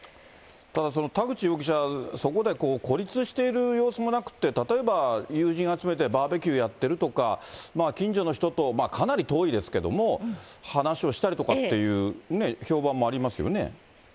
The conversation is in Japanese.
ただその田口容疑者、そこで孤立している様子もなくって、例えば、友人を集めてバーベキューやってるとか、近所の人とかなり遠いですけれども、話をしたりとかっていうね、評判もありますよね？